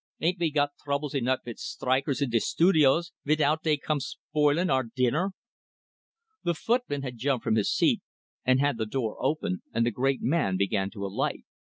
Ain't we got troubles enough vit strikers in de studios, vitout dey come spoilin' our dinner?" The footman had jumped from his seat, and had the door open, and the great man began to alight.